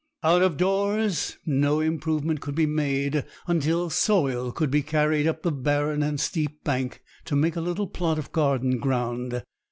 Out of doors, no improvement could be made until soil could be carried up the barren and steep bank, to make a little plot of garden ground.